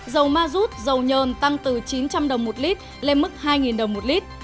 dầu ma rút dầu nhờn tăng từ chín trăm linh đồng một lít lên mức hai đồng một lít